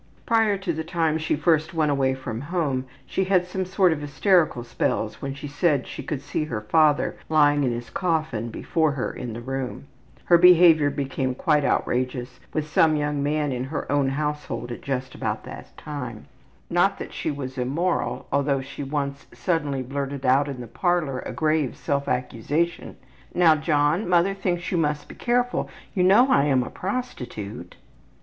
Prior to the time she first went away from home she had some sort of hysterical spells when she said she could see her father lying in his coffin before her in the room. Her behavior became quite outrageous with some young man in her own household at just about this time. Not that she was immoral, although she once suddenly blurted out in the parlor a grave self accusation: ``Now, John, mother thinks you must be careful. You know I am a prostitute.''